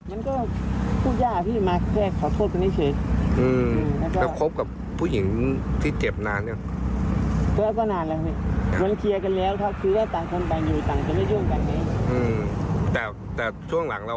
อันนี้ก็คือมันก็แค่มาวันนี้แบบว่า